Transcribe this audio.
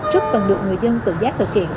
rất cần được người dân tự giác thực hiện